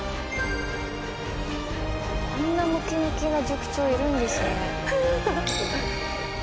「こんなムキムキな塾長いるんですね」